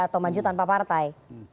atau maju tanpa partai